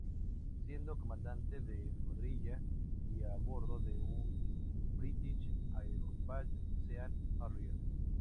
Siendo Comandante de Escuadrilla y a bordo de un British Aerospace Sea Harrier.